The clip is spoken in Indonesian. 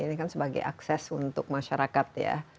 ini kan sebagai akses untuk masyarakat ya